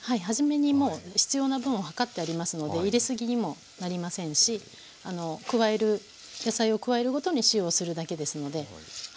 初めにもう必要な分を量ってありますので入れすぎにもなりませんし野菜を加えるごとに塩をするだけですので。